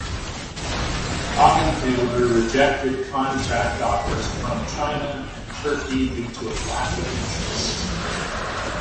Augenthaler rejected contract offers from China and Turkey due to a lack of interest.